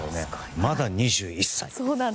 まだ２１歳。